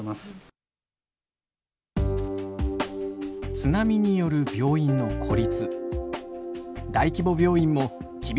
津波による病院の孤立。